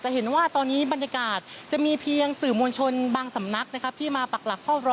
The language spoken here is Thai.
เห็นว่าตอนนี้บรรยากาศจะมีเพียงสื่อมวลชนบางสำนักนะครับที่มาปักหลักเฝ้ารอ